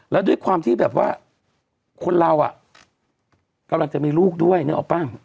แล้วด้วยความที่แบบว่าคนเราอ่ะกำลังจะมีลูกด้วยนึกออกป่ะ